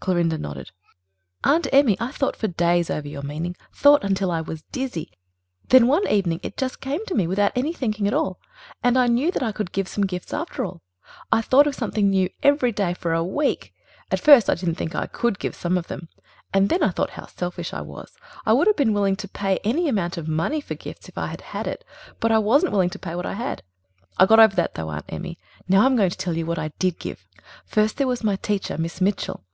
Clorinda nodded. "Aunt Emmy, I thought for days over your meaning ... thought until I was dizzy. And then one evening it just came to me, without any thinking at all, and I knew that I could give some gifts after all. I thought of something new every day for a week. At first I didn't think I could give some of them, and then I thought how selfish I was. I would have been willing to pay any amount of money for gifts if I had had it, but I wasn't willing to pay what I had. I got over that, though, Aunt Emmy. Now I'm going to tell you what I did give. "First, there was my teacher, Miss Mitchell.